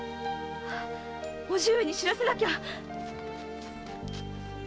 叔父上に知らせなきゃ！